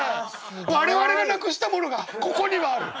我々がなくしたものがここにはある。